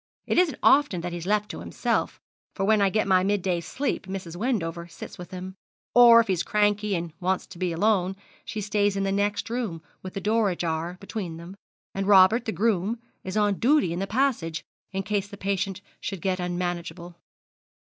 It isn't often that he's left to himself, for when I get my midday sleep Mrs. Wendover sits with him; or, if he's cranky, and wants to be alone, she stays in the next room, with the door ajar between them; and Robert, the groom, is on duty in the passage, in case the patient should get unmanageable.'